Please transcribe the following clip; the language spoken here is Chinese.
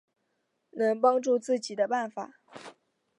能帮助自己的办法